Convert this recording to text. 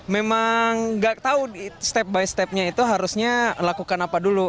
memang nggak tahu step by stepnya itu harusnya lakukan apa dulu